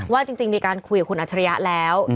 ว่าจริงมีการคุยกับคุณอัจฉริยะแล้ว